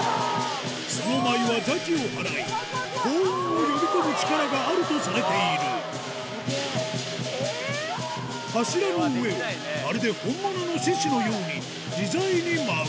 その舞いは邪気を払い幸運を呼び込む力があるとされている柱の上をまるで本物の獅子のように自在に舞う